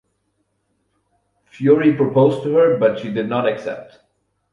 Fury proposed to her, but she did not accept.